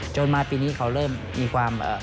จนมาปีนี้เขาเริ่มมีความ